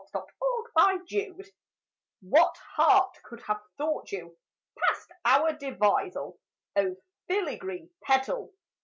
TO A SNOW FLAKE What heart could have thought you? Past our devisal (O filigree petal!)